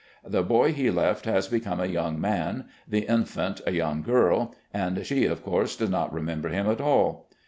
The boy he left has become a young man; the infant a young girl, and she, of course does not remember him at all.